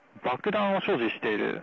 爆弾を所持している？